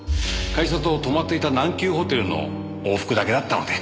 会社と泊まっていた南急ホテルの往復だけだったので。